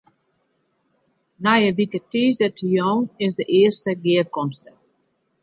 Nije wike tiisdeitejûn is de earste gearkomste.